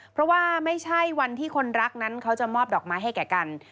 เพราะว่าไม่ใช่วันที่คนรักนั้นเขาจะมอบดอกไม้ให้แก่กัน